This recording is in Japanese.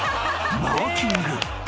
［マーキング］